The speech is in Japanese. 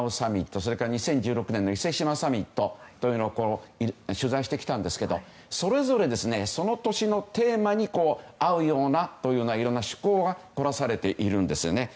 それから２０１６年の伊勢志摩サミットを取材してきたんですけどそれぞれその年のテーマに合うようないろんな趣向が凝らされているんですね。